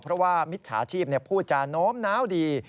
เพราะว่ามิจฉาชีพพูดจาโน้มน้าวดี